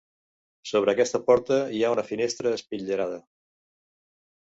Sobre aquesta porta hi ha una finestra espitllerada.